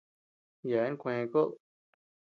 Yeaben kué koʼod.